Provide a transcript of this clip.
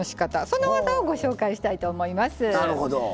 その技をご紹介したいと思います。